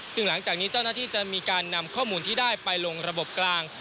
ซึ่งหลังจากนี้เจ้าหน้าที่จะมีการนำข้อมูลที่ได้ไปลงระบบกลาง